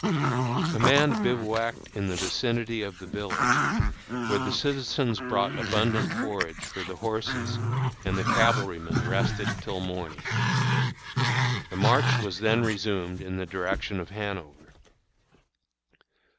The command bivouacked in the vicinity of the village, where the citizens brought abundant forage for the horses, and the cavalrymen rested till morning. The march was then resumed in the direction of Hanover.